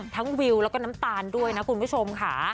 วิวแล้วก็น้ำตาลด้วยนะคุณผู้ชมค่ะ